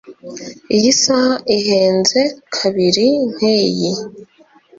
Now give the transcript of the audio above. Iyi saha ihenze kabiri nkiyi